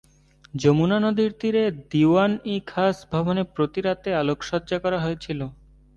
যমুনা নদীর তীরে দিওয়ান-ই-খাস ভবনে প্রতি রাতে আলোকসজ্জা করা হয়েছিলো।